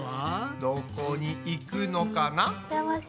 どこに行くのかな？